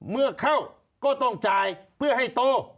เมื่อเข้าก็ต้องจ่ายเพื่อให้โต